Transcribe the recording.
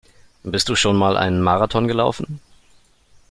Bist du schon mal einen Marathon gelaufen?